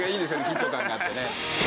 緊張感があってね。